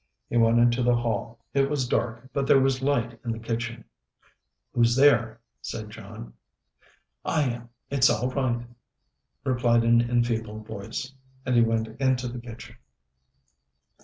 He went into the hall. It was dark, but there was a light in the kitchen. "Who's there?" said John. "I am. It's all right," replied an enfeebled voice; and he went into the kitchen.